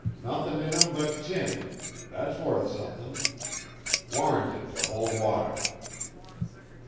Nuthin' in 'em but tin that's wuth somethin'. Warranted t' hold water."